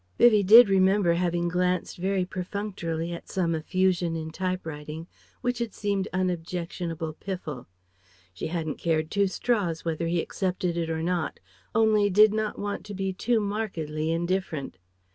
'" Vivie did remember having glanced very perfunctorily at some effusion in typewriting which had seemed unobjectionable piffle. She hadn't cared two straws whether he accepted it or not, only did not want to be too markedly indifferent.